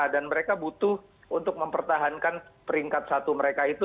dan mereka butuh untuk mempertahankan peringkat satu mereka itu